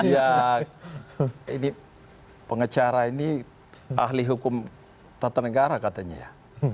ya ini pengacara ini ahli hukum tata negara katanya ya